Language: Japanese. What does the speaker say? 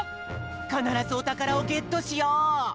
かならずおたからをゲットしよう！